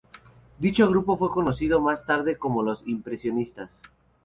Dicho grupo fue conocido más tarde como "Los impresionistas".